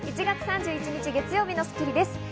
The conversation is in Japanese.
１月３１日、月曜日の『スッキリ』です。